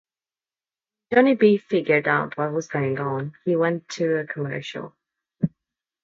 When Johnny B figured out what was going on, he went to a commercial.